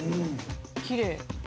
きれい。